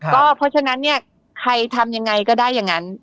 เพราะฉะนั้นเนี่ยใครทำยังไงก็ได้อย่างนั้น